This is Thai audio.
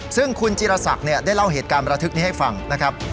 ซึ่งคุณจิรศักดิ์ได้เล่าเหตุการณ์ประทึกนี้ให้ฟังนะครับ